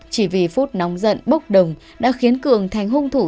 chỉ vì phút nóng giận bốc đồng đã khiến cường thành hung thủ